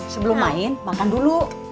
sebelum main makan dulu